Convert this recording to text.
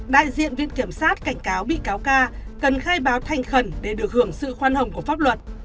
đại diện viện kiểm sát cảnh cáo bị cáo ca cần khai báo thành khẩn để được hưởng sự khoan hồng của pháp luật